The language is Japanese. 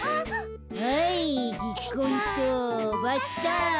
はいぎっこんとばったん。